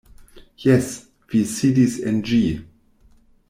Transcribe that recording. Jes; vi sidis en ĝi.